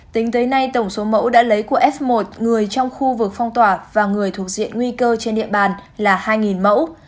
tính tới nay tổng số mẫu đã lấy của f một người trong khu vực phong tỏa và người thuộc diện nguy cơ trên địa bàn là hai mẫu